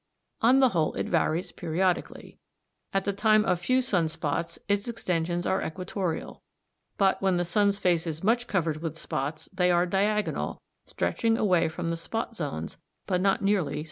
On the whole it varies periodically. At the time of few sun spots its extensions are equatorial; but when the sun's face is much covered with spots, they are diagonal, stretching away from the spot zones, but not nearly so far.